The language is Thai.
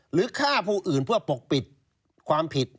ฆ่าผู้อื่นเพื่อปกปิดความผิด